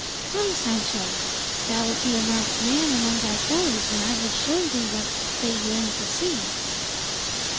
"Come, Sancho. Thou'lt be a marked man among thy fellows when I have shown thee what they yearn to see."